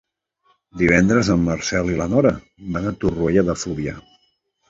Divendres en Marcel i na Nora van a Torroella de Fluvià.